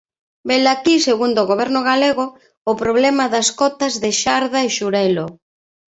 Velaquí segundo o goberno galego o problema das cotas de xarda e xurelo.